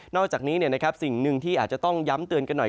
อกจากนี้สิ่งหนึ่งที่อาจจะต้องย้ำเตือนกันหน่อย